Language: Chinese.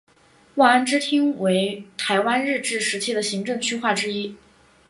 望安支厅为台湾日治时期的行政区划之一。